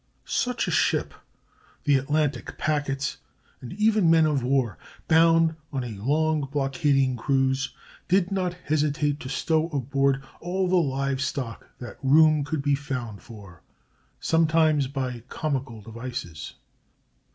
Such a ship, the Atlantic packets, and even men of war bound on a long blockading cruise, did not hesitate to stow aboard all the live stock that room could be found for, sometimes by comical devices.